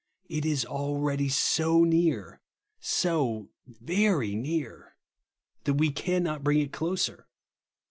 It is akeady so near, so very near, that we can not brmg it closer.